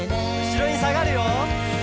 「後ろにさがるよ」